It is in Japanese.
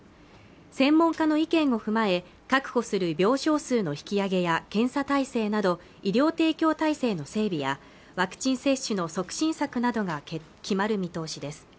専門家の意見を踏まえ確保する病床数の引き上げや検査体制など医療提供体制の整備やワクチン接種の促進策などが決まる見通しです